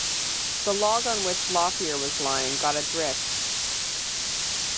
The log on which Lop-Ear was lying got adrift.